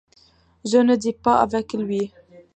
Je ne dis pas avec lui.